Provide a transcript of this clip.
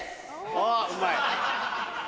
あぁうまい。